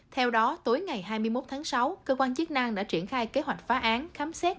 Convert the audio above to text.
theo đó tối ngày hai mươi một tháng sáu cơ quan chức năng đã triển khai kế hoạch phá án khám xét